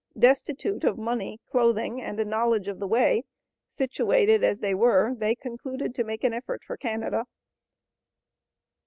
Destitute of money, clothing, and a knowledge of the way, situated as they were they concluded to make an effort for Canada.